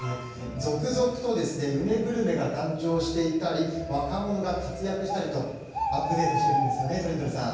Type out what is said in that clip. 続々と梅グルメが誕生していたり若者が活躍したりとアップデートしているんですよねトリンドルさん。